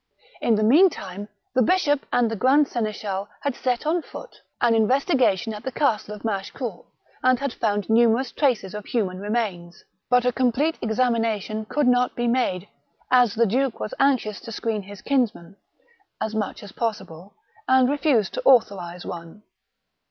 In the mean time, the bishop and the grand seneschal had set on foot an investigation at the castle of Machecoul, and had 206 THE BOOK OF WEUE WOLVES. found numerous traces of human remains. But a com plete examination could not be made, as the duke was anxious to screen his kinsman as much as possible, and refused to authorize one.